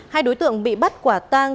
hai đối tượng bị bắt quả tang